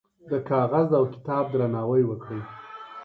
د کاغذ او کتاب درناوی وکړئ.